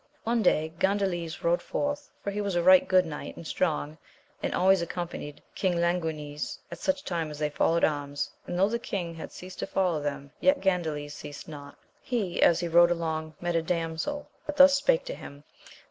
One day Gan dales rode forth, for he was a right good knight and strong, and always accompanied King Languines at such time as they followed anns, and though the king had ceased to follow them, yet Gandales ceased not. He, as he rode along, met a damsel, that thus spake to him.